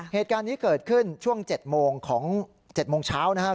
เหตุการณ์นี้เกิดขึ้นช่วง๗โมงของ๗โมงเช้านะครับ